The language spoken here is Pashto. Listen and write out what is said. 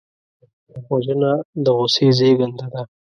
وژنه د غصې زېږنده ده